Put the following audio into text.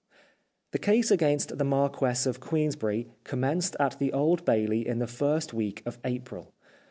The case against the Marquess of Queensberry commenced at the Old Bailey in the first week of April.